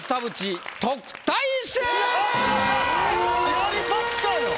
やりましたよ。